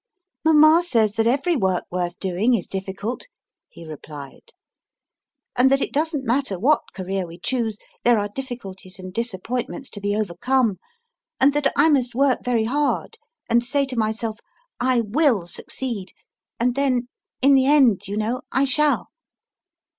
* Mama says that every work worth doing is diffi cult/ he replied, and that it doesn t matter what career we choose there are difficulties and disappoint ments to be overcome, and that I must work very hard and say to myself " I will succeed," and then in the end, you know, I shall.